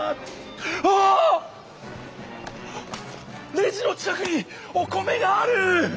レジの近くにお米がある！